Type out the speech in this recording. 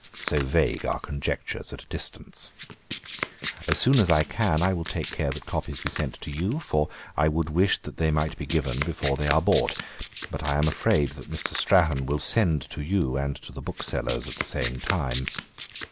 So vague are conjectures at a distance. As soon as I can, I will take care that copies be sent to you, for I would wish that they might be given before they are bought; but I am afraid that Mr. Strahan will send to you and to the booksellers at the same time.